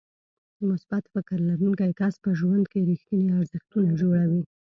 مثبت فکر لرونکی کس په ژوند کې رېښتيني ارزښتونه جوړوي.